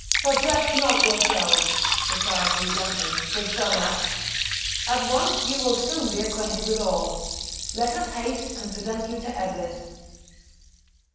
"Perplex not yourselves," replied he bluntly, "with so much; at once you will soon be acquainted with all; let us haste and present you to Eblis."